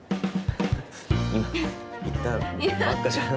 今言ったばっかじゃん。